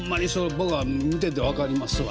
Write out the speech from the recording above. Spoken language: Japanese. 僕は見てて分かりますわ。